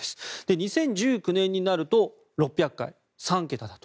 ２０１９年になると６００回、３桁だと。